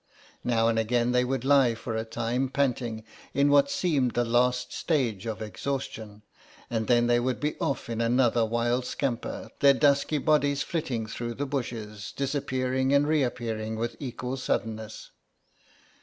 Now and again they would lie for a time panting in what seemed the last stage of exhaustion, and then they would be off in another wild scamper, their dusky bodies flitting through the bushes, disappearing and reappearing with equal suddenness.